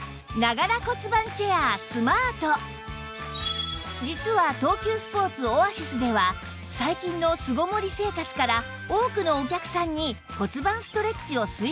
そこで実は東急スポーツオアシスでは最近の巣ごもり生活から多くのお客さんに骨盤ストレッチを推奨